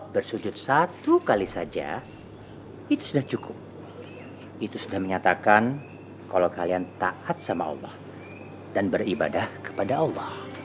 bersujud dimana saja